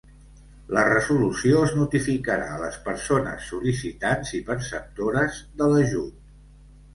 La resolució es notificarà a les persones sol·licitants i perceptores de l'ajut.